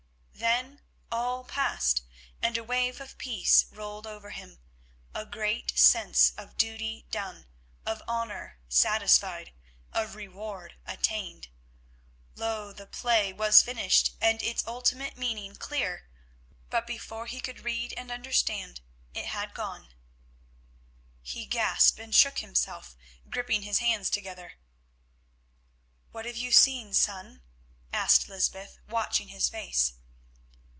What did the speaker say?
Then all passed, and a wave of peace rolled over him, a great sense of duty done, of honour satisfied, of reward attained. Lo! the play was finished, and its ultimate meaning clear, but before he could read and understand—it had gone. He gasped and shook himself, gripping his hands together. "What have you seen, son?" asked Lysbeth, watching his face.